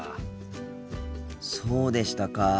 そうでしたか。